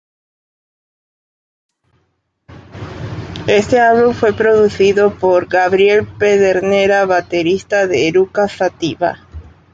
Este álbum, fue producido por Gabriel Pedernera, baterista de Eruca Sativa.